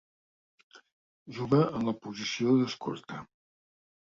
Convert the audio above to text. Juga en la posició d'escorta.